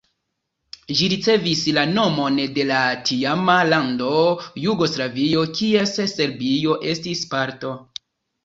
Ĝi ricevis la nomon de la tiama lando Jugoslavio, kies Serbio estis parto.